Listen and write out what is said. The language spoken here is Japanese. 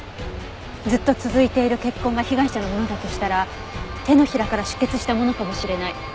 ずっと続いている血痕が被害者のものだとしたら手のひらから出血したものかもしれない。